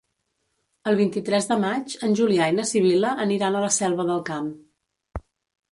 El vint-i-tres de maig en Julià i na Sibil·la aniran a la Selva del Camp.